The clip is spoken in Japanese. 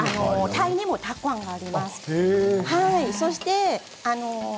タイにもたくあんがあります。